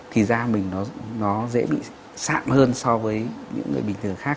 thì da mình nó dễ bị sạm hơn so với những người bị sạm hơn